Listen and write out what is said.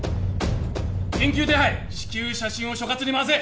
緊急手配至急写真を所轄にまわせ！